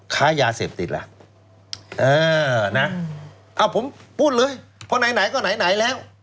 ค้ายาเสพติดล่ะเออนะผมพูดเลยเพราะไหนไหนก็ไหนไหนแล้ว